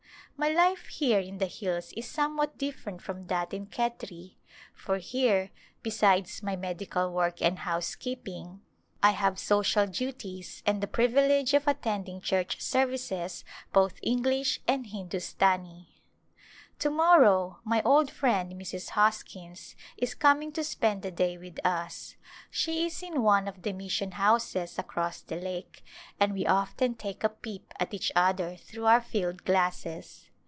My life here in the hills is somewhat different from that in Khetri, for here, besides my medical work and housekeeping, I have A Glimpse of India social duties and the privilege of attending church services both English and Hindustani. To morrow^ my old friend Mrs. Hoskins is coming to spend the day with us. She is in one of the mis sion houses across the lake and we often take a peep at each other through our field glasses.